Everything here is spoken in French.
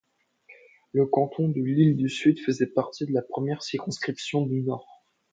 Le canton de Lille-Sud faisait partie de la première circonscription du Nord.